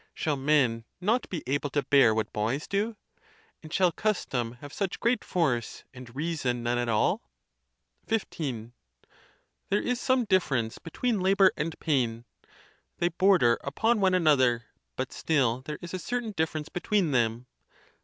Shall men not be able to bear what boys do? and shall custom have such great force, and rea son none at all? XV. There is some difference between labor and pain; they border upon one another, but still there is a certain difference between them.